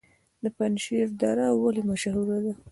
د پنجشیر دره ولې مشهوره ده؟